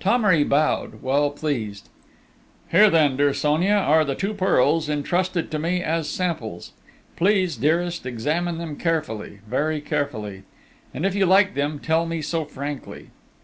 Thomery bowed, well pleased. "Here then, dear Sonia, are the two pearls entrusted to me as samples ... please, dearest, examine them carefully, very carefully ... and if you like them, tell me so frankly...."